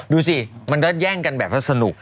ดูสิมันก็แย่งกันแบบว่าสนุก